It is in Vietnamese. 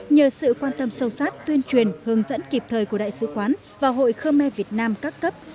nhờ sự quan tâm sâu sát tuyên truyền hướng dẫn kịp thời của đại sứ quán và hội khơ me việt nam các cấp